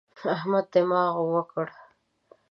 احمد دماغ وکړ.